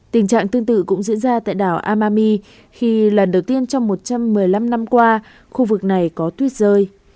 tình trạng tương tự cũng diễn ra tại đảo amami khi lần đầu tiên trong một trăm một mươi năm năm qua khu vực này có tuyết rơi